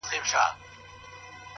کښتۍ وان ویل مُلا لامبو دي زده ده؟!.